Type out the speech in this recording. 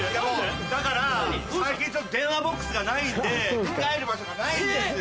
だから最近電話ボックスがないんで着替える場所がないんですよ。